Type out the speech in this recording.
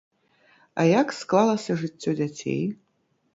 А як склалася жыццё дзяцей?